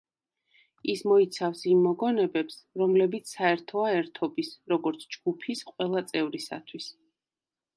ის მოიცავს იმ მოგონებებს, რომლებიც საერთოა ერთობის, როგორც ჯგუფის, ყველა წევრისათვის.